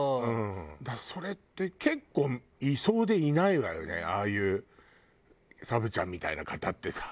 だからそれって結構いそうでいないわよねああいうサブちゃんみたいな方ってさ。